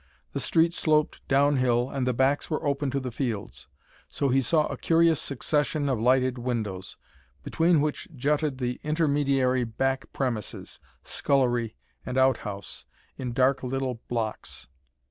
The street sloped down hill, and the backs were open to the fields. So he saw a curious succession of lighted windows, between which jutted the intermediary back premises, scullery and outhouse, in dark little blocks.